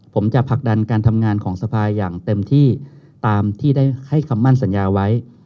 ผมจะผลักดันการทำงานของสภาอย่างเต็มที่ตามที่ได้ให้คำมั่นสัญญาไว้